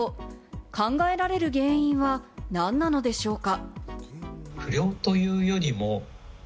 考えられる原因は何なのでしょうか？